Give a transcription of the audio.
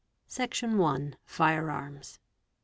| Section i.—Fire arms.